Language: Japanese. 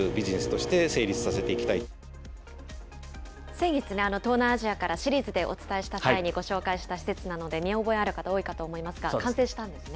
先月、東南アジアからシリーズでお伝えした際にご紹介した施設なので見覚えある方、多いかと思いますが、完成したんですね。